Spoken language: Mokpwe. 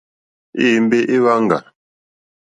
Éyěmbé é wáŋɡà.